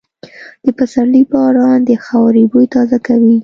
د پسرلي باران د خاورې بوی تازه کوي.